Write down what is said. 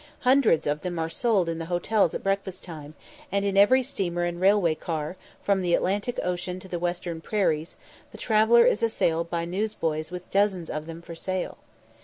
Hundreds of them are sold in the hotels at breakfast time; and in every steamer and railway car, from the Atlantic ocean to the western prairies, the traveller is assailed by newsboys with dozens of them for sale.